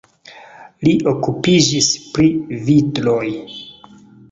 Li okupiĝis pri vitroj.